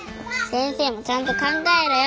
先生もちゃんと考えろよ。